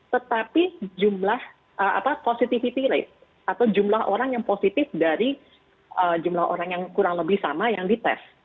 tetapi jumlah positivity rate atau jumlah orang yang positif dari jumlah orang yang kurang lebih sama yang dites